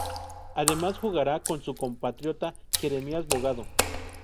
Además jugará con su compatriota Jeremías Bogado.